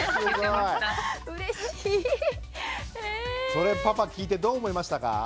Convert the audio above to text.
それパパ聞いてどう思いましたか？